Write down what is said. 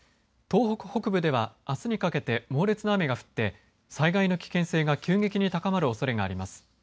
東北北部では、あすにかけて猛烈な雨が降って災害の危険性が急激に高まるおそれがあります。